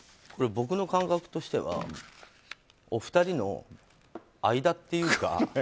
これ、僕の感覚としてはお二人の間というか。